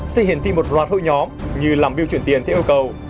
sẽ hiển thị một loạt hội nhóm như làm bill chuyển tiền theo yêu cầu